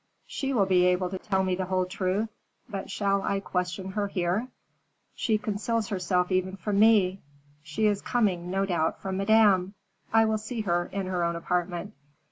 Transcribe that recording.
She will be able to tell me the whole truth; but shall I question her here? She conceals herself even from me; she is coming, no doubt, from Madame. I will see her in her own apartment.